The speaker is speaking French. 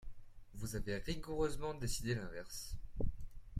Vous avez rigoureusement décidé l’inverse.